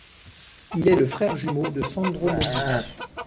Il est le frère jumeau de Sandro Moggi.